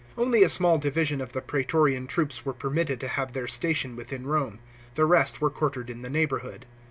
Only a small division of the praetorian troops were permitted to have their station within Rome ; the rest were quartered in the neighbourhood.